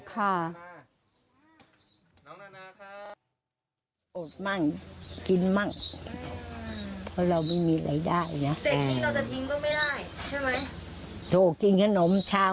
ถูกกินขนมเช้ามาก็แต่ขนมแหละ